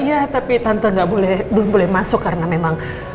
iya tapi tante nggak boleh masuk karena memang